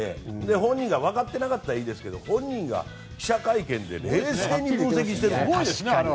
本人が分かってなかったらいいんですけど本人が記者会見で冷静に分析しているんです。